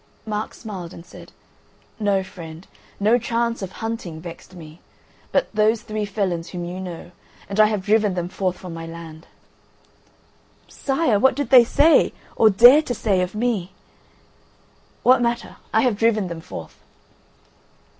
Mark smiled and said: "No, friend; no chance of hunting vexed me, but those three felons whom you know; and I have driven them forth from my land." "Sire, what did they say, or dare to say of me?" "What matter? I have driven them forth."